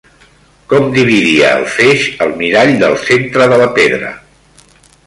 Com dividia el feix el mirall del centre de la pedra?